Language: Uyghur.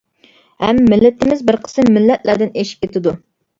ھەم مىللىتىمىز بىر قىسىم مىللەتلەردىن ئېشىپ كېتىدۇ.